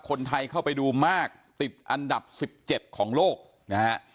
คนไทยเข้าไปดูมากติดอันดับ๑๗ของโลกนะฮะ